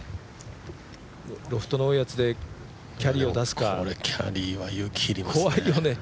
ロフトの多いやつでキャリーを出すかこれ、キャリーは勇気いりますよね。